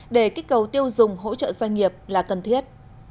để kích cầu tiêu dùng hỗ trợ doanh nghiệp là cần thiết